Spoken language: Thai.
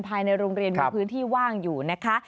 ภายในโรงเรียนมีพื้นที่ว่างอยู่นะคะ